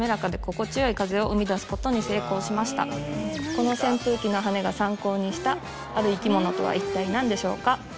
この扇風機の羽根が参考にしたある生き物とはいったい何でしょうか？